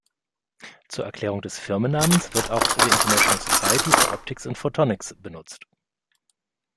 Zur Erklärung des Firmennamens wird auch The International Society for Optics and Photonics benutzt.